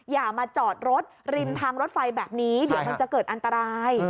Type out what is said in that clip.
อย่ามาจอดรถริมทางรถไฟแบบนี้เดี๋ยวมันจะเกิดอันตราย